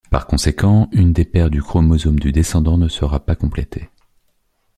Par conséquent, une des paires de chromosomes du descendant ne sera pas complétée.